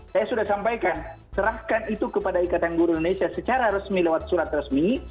saya sudah sampaikan serahkan itu kepada ikatan guru indonesia secara resmi lewat surat resmi